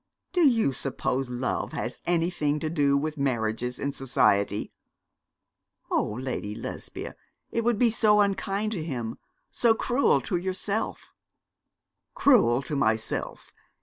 'Do you suppose love has anything to do with marriages in society?' 'Oh, Lady Lesbia, it would be so unkind to him, so cruel to yourself.' 'Cruel to myself.